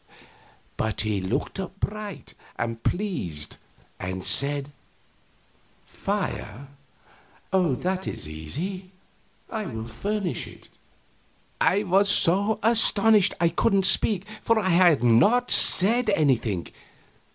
But he looked up bright and pleased, and said: "Fire? Oh, that is easy; I will furnish it." I was so astonished I couldn't speak; for I had not said anything.